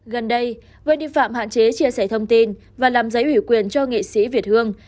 gần đây với nghi phạm hạn chế chia sẻ thông tin và làm giấy ủy quyền cho nghệ sĩ việt hương